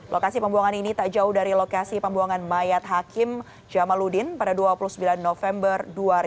lokasi pembuangan ini tak jauh dari lokasi pembuangan mayat hakim jamaludin pada dua puluh sembilan november dua ribu dua puluh